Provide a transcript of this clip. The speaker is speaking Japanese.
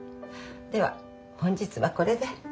では本日はこれで。